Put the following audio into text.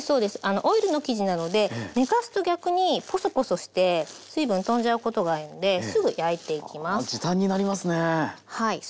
オイルの生地なので寝かすと逆にポソポソして水分飛んじゃうことがあるのですぐ焼いていきます。